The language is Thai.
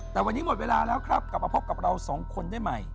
แต่วันนี้หมดเวลาครับมาพบกับเราสองคนได้มั้ย